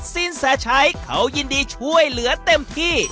สินแสชัยเขายินดีช่วยเหลือเต็มที่